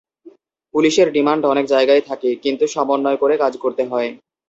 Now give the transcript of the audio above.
পুলিশের ডিমান্ড অনেক জায়গায় থাকে, কিন্তু সমন্বয় করে কাজ করতে হয়।